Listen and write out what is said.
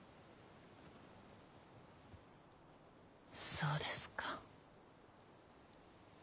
そうですか。